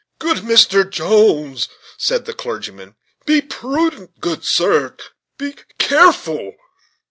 "Good Mr. Jones," said the clergyman, "be prudent, good sir be careful."